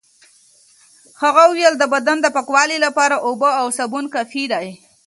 هغه وویل د بدن د پاکوالي لپاره اوبه او سابون کافي دي.